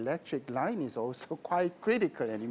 laporan elektrik juga sangat